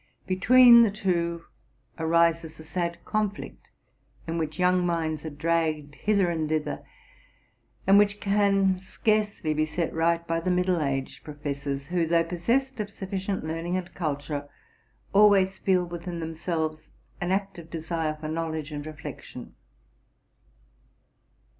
Between the two arises a sad conflict, in which young minds are dragged hither and thither, and which can scarcely be set right by the middle aged professors, who, though possessed of sufti cient learning and culture, always feel within themselves an active desire for knowledge and reflection.